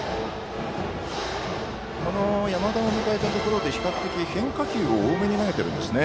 この山田のところで比較的、変化球を多めに投げているんですね。